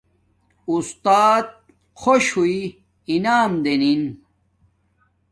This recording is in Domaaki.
اُستات خوش ہوݵ انعام دینن